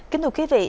kính thưa quý vị